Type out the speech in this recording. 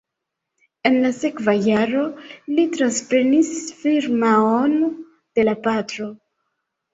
En la sekva jaro li transprenis firmaon de la patro.